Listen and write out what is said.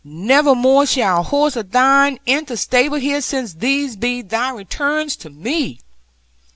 Never more shall horse of thine enter stable here, since these be thy returns to me.